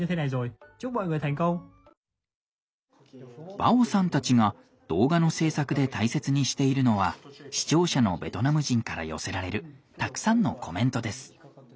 バオさんたちが動画の制作で大切にしているのは視聴者のベトナム人から寄せられるたくさんのコメントです。